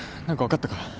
何か分かったか？